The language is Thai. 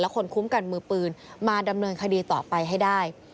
คนคุ้มกันมือปืนมาดำเนินคดีต่อไปให้ได้